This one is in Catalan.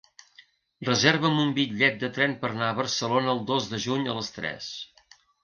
Reserva'm un bitllet de tren per anar a Barcelona el dos de juny a les tres.